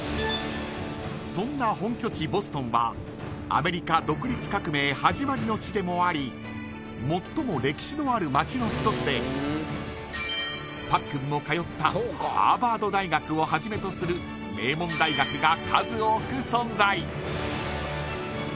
そんな本拠地ボストンはアメリカ独立革命始まりの地でもあり最も歴史のある街の一つでパックンも通ったハーバード大学をはじめとする名門大学が数多く存在。